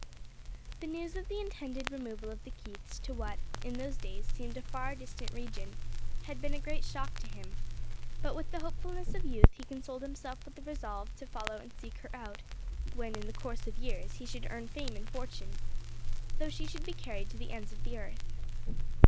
The news of the intended removal of the Keiths to what, in those days, seemed a far distant region, had been a great shock to him; but with the hopefulness of youth he consoled himself with the resolve to follow and seek her out when in the course of years he should earn fame and fortune though she should be carried to the ends of the earth.